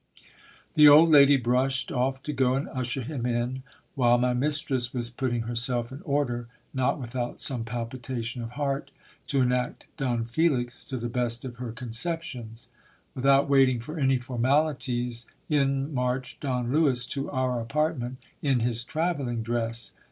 The old lady brushed off to go and usher him in ; while my mistress was putting herself in order, not without some palpitation of heart, to enact Don Felix to the best of her conceptions. Without waiting for any formalities, in marched Don Lewis to our apartment in his travelling dress.